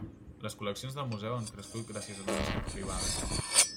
Les col·leccions del museu han crescut gràcies a donacions privades.